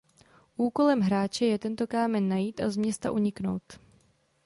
Úkolem hráče je tento kámen najít a z města uniknout.